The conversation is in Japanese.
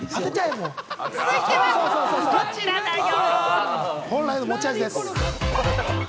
続いてはこちらだよ。